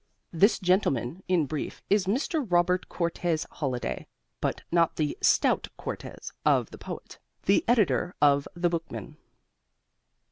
This gentleman, in brief, is Mr. Robert Cortes Holliday (but not the "stout Cortes" of the poet), the editor of The Bookman.